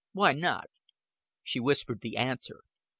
"Why not?" She whispered the answer.